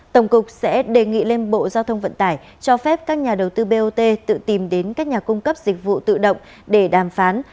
tổng cục sẽ đề nghị lên bộ giao thông vận tải cho phép các nhà đầu tư bot tự tìm đến các nhà cung cấp dịch vụ tự động để đàm phán